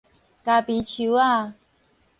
咖啡樹仔